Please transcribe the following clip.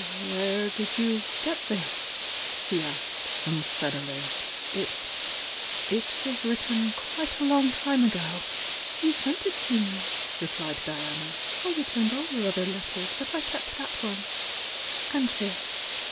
"Where did you get this?" he asked, unsteadily— "It— it was written quite a long time ago!" "You sent it to me," replied Diana. "I returned all your other letters, but I kept that one,— and this."